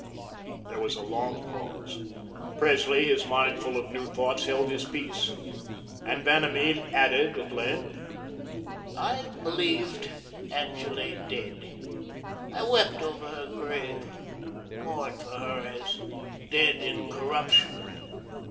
There was a long pause. Presley, his mind full of new thoughts, held his peace, and Vanamee added at length: "I believed Angele dead. I wept over her grave; mourned for her as dead in corruption.